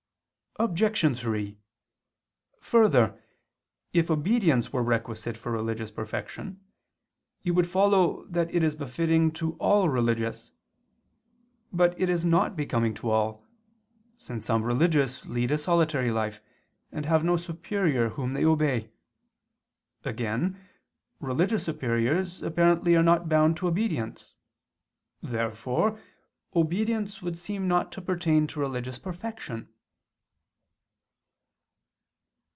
Obj. 3: Further, if obedience were requisite for religious perfection, it would follow that it is befitting to all religious. But it is not becoming to all; since some religious lead a solitary life, and have no superior whom they obey. Again religious superiors apparently are not bound to obedience. Therefore obedience would seem not to pertain to religious perfection.